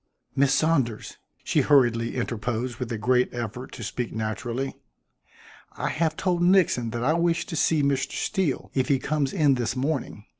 "Miss Saunders," she hurriedly interposed with a great effort to speak naturally, "I have told Nixon that I wish to see Mr. Steele if he comes in this morning.